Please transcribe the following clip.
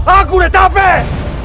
aku udah capek